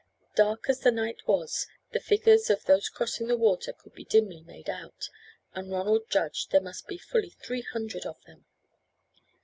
Dark as the night was, the figures of those crossing the water could be dimly made out, and Ronald judged there must be fully three hundred of them.